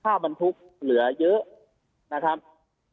ให้ค่าบันทึกเหลือเยอะนะครับ